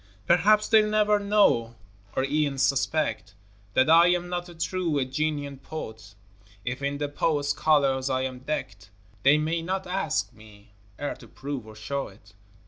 Perhaps they'll never know or e'en suspect That I am not a true, a genuine poet; If in the poet's colors I am decked They may not ask me e'er to prove or show it.